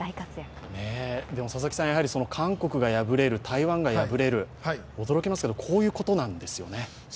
やはり韓国が敗れる、台湾が敗れる、驚きますけれどもこういうことなんですよね。